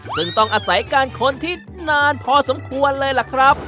ซึ่งต้องอาศัยการค้นที่นานพอสมควรเลยล่ะครับ